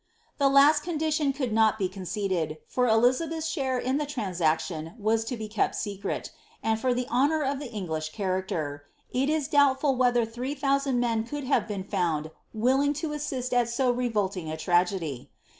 * The last condition could not be conceded, for Elizabeth's sharr in thn Iransaclion was lo be kept secret ; and for the honour of the Cngliih character, Jl le doubtful whether three thousand men could hare been fonnd willing to assist at so revolting a tragedy.